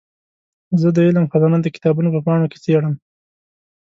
زه د علم خزانه د کتابونو په پاڼو کې څېړم.